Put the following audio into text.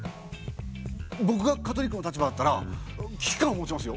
ぼくがカトリックの立場だったら危機感を持ちますよ。